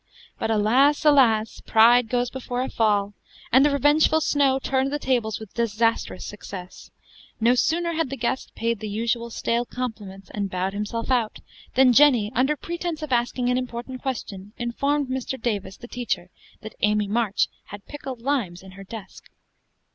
But, alas, alas! pride goes before a fall, and the revengeful Snow turned the tables with disastrous success. No sooner had the guest paid the usual stale compliments, and bowed himself out, than Jenny, under pretence of asking an important question, informed Mr. Davis, the teacher, that Amy March had pickled limes in her desk.